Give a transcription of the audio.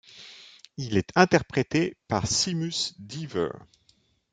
Il est interprété par Seamus Dever.